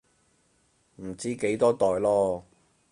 唔知幾多代囉